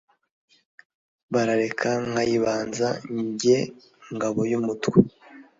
Barareka nkayibanza jye ngabo y’umutwe.